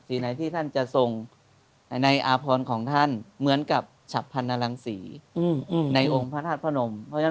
สีไหนที่ท่านจะส่งในอาพรของท่านเหมือนกับฉับพรรณลังศรีในองค์พระธาตุพระนม